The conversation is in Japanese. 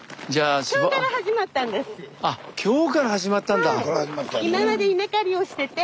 今日から始まったんだ。